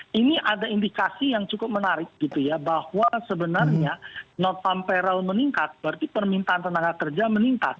nah ini ada indikasi yang cukup menarik gitu ya bahwa sebenarnya not farm pareal meningkat berarti permintaan tenaga kerja meningkat